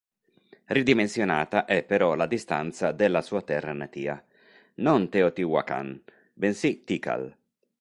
Ridimensionata è però la distanza della sua terra natia: non Teotihuacan, bensì Tikal.